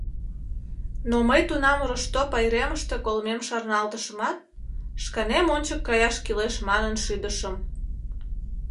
Но мый тунам Рошто пайремыште колмем шарналтышымат, шканем ончык каяш кӱлеш манын шӱдышым.